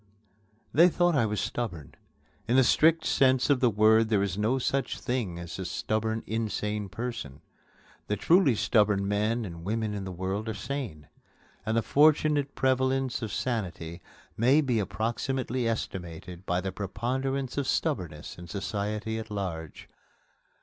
They thought I was stubborn. In the strict sense of the word there is no such thing as a stubborn insane person. The truly stubborn men and women in the world are sane; and the fortunate prevalence of sanity may be approximately estimated by the preponderance of stubbornness in society at large.